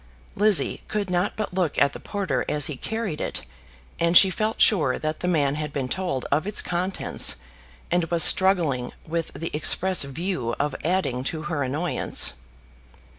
Lizzie could not but look at the porter as he carried it, and she felt sure that the man had been told of its contents and was struggling with the express view of adding to her annoyance.